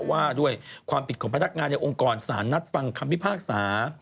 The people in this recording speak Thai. ว่าด้วยความผิดของพนักงานในองค์กรสารนัดฟังคำพิพากษา